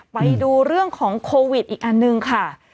ไปดูเรื่องของโควิดอีกอันหนึ่งค่ะ